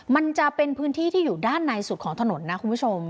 มันจะเป็นพื้นที่ที่อยู่ด้านในสุดของถนนนะคุณผู้ชม